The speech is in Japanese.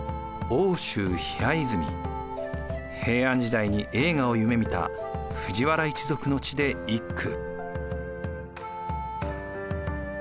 平安時代に栄華を夢みた藤原一族の地で一句。